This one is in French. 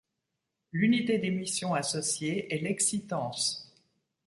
L'unité d'émission associée est l'exitance.